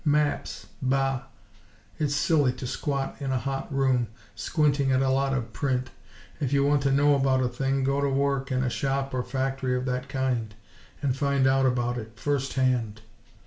Maps! BAH!! It's silly to squat in a hot room squinting at a lot of print! If you want to know about a thing, go to work in a shop or factory of that kind, and find out about it first hand."